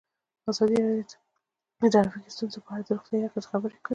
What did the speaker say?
ازادي راډیو د ټرافیکي ستونزې په اړه د روغتیایي اغېزو خبره کړې.